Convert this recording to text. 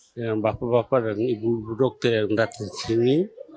dengan bapak bapak dan ibu ibu dokter yang datang ke sini